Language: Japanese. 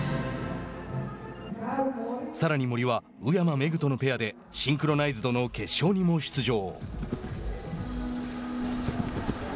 さらに森は宇山芽紅とのペアでシンクロナイズドの決勝にも出場。